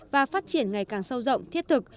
và phát triển ngày càng sâu rộng thiết thực